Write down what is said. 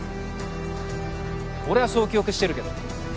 俺はそう記憶してるけど。